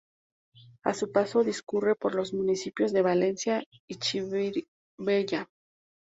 A su paso, discurre por los municipios de Valencia y Chirivella.